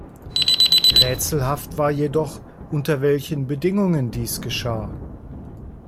Rätselhaft war jedoch, unter welchen Bedingungen dies geschah.